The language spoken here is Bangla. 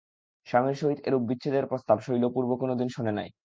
স্বামীর সহিত এরূপ বিচ্ছেদের প্রস্তাব শৈল পূর্বে কোনোদিন করে নাই।